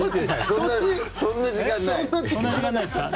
そんな時間ないですから。